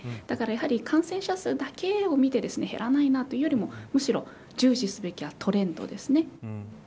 だからやはり感染者数だけを見て減らないなというよりもむしろ注視すべきはトレンドですね。